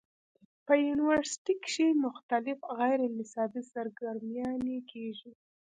پۀ يونيورسټۍ کښې مختلف غېر نصابي سرګرميانې کيږي